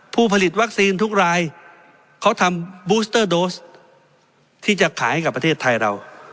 ผู้ผลิตวัคซีนทุกรายเขาทำบูสเตอร์โดสที่จะขายให้กับประเทศไทยเรา